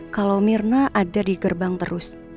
kalau mirna ada di gerbang terus